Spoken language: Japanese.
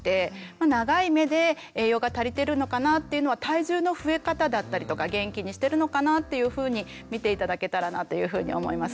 長い目で栄養が足りてるのかなっていうのは体重の増え方だったりとか元気にしてるのかなっていうふうに見て頂けたらなというふうに思います。